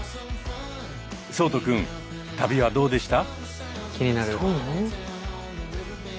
聡人くん旅はどうでした？